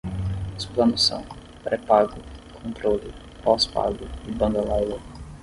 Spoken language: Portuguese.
Os planos são: pré-pago, controle, pós-pago e banda larga